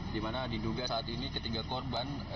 di mana diduga saat ini ketiga korban